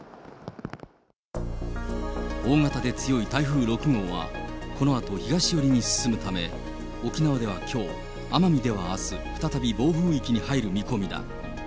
大型で強い台風６号は、このあと東寄りに進むため、沖縄ではきょう、奄美ではあす、再び暴風域に入る見込みだ。